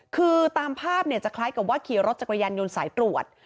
คือตามภาพจะคล้ายกับว่าขี่รถจักรยานยนต์สายตรวจ